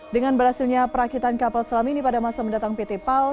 dengan berhasilnya perakitan kapal selam ini pada masa mendatang pt pal